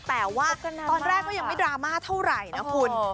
แต่ว่าตอนแรกก็ยังไม่ดราม่าเท่าไหร่นะคุณ